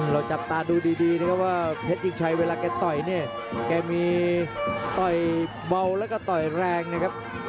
จับตาดูดีนะครับว่าเพชรชิงชัยเวลาแกต่อยเนี่ยแกมีต่อยเบาแล้วก็ต่อยแรงนะครับ